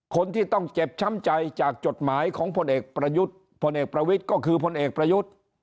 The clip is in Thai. คนที่ต้องเจ็บช้ำใจจากจดหมายของพลเอกประวิทย์ก็คือพลเอกประวิทย์